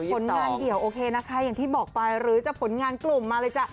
ผลงานเดี่ยวโอเคนะคะอย่างที่บอกไปหรือจะผลงานกลุ่มมาเลยจ้ะ